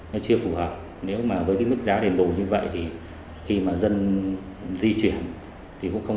nó chưa phù hợp nếu mà với cái mức giá đền bù như vậy thì khi mà dân di chuyển thì cũng không